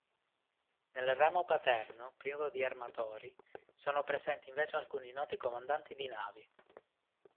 Nel ramo paterno, privo di armatori, sono presenti invece alcuni noti comandanti di navi.